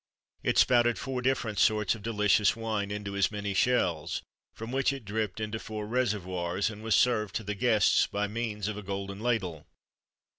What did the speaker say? It spouted four different sorts of delicious wine into as many shells, from which it dripped into four reservoirs, and was served to the guests by means of a golden ladle.